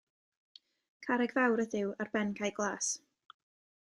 Carreg fawr ydyw, ar ben cae glas.